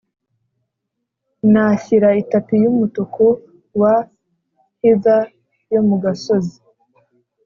nashyira itapi yumutuku wa heather yo mu gasozi